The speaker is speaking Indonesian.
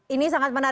ini sangat menarik